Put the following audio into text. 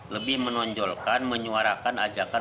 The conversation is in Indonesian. lebih menonjolkan menyuarakan ajakan